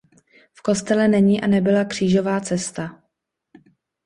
V kostele není a nebyla křížová cesta.